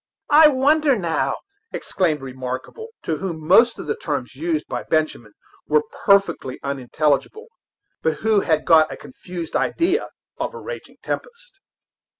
"I wonder, now!" exclaimed Remarkable, to whom most of the terms used by Benjamin were perfectly unintelligible, but who had got a confused idea of a raging tempest.